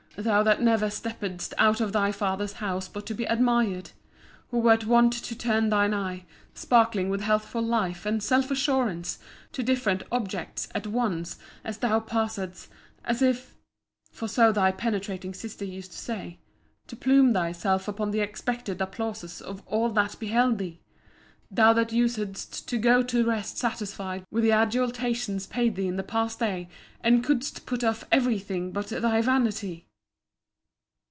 Thou that never steppedst out of thy father's house but to be admired! Who wert wont to turn thine eye, sparkling with healthful life, and self assurance, to different objects at once as thou passedst, as if (for so thy penetrating sister used to say) to plume thyself upon the expected applauses of all that beheld thee! Thou that usedst to go to rest satisfied with the adulations paid thee in the past day, and couldst put off every thing but thy vanity!